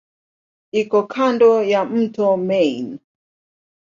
Iko kando ya mto Main.